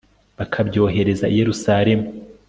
bakabyohereza i yeruzalemu